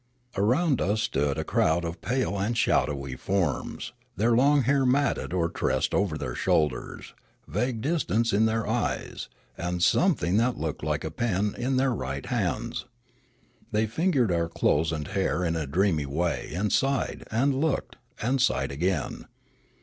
Around us stood a crowd of pale and shadowy forms, their long hair matted or tressed over their shoulders, vague distance in their eyes, and something that looked like a pen in their right hands. They fingered our clothes and hair in a dreamy way, and sighed, and looked, and sighed again.